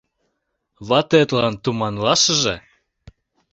— Ватетлан туманлашыже?..